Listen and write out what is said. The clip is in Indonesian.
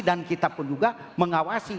dan kita pun juga mengawasi